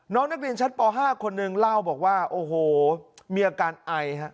น้องนักเรียนชัดป่อห้าคนนึงเล่าพูดว่าโอ้โหมีอาการไอ